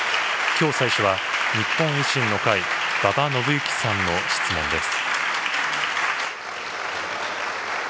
きょう最初は、日本維新の会、馬場伸幸さんの質問です。